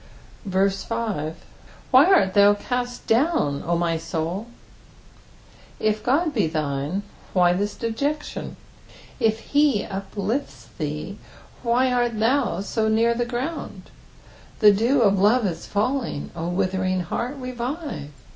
6. " ffSy art thou ciut doom, 0 my xnilt" If God be thine, why this dejection ? If he uplifts thee, why art thou so near the ground ? The dew of love is falling, 0 witnering heart, revive.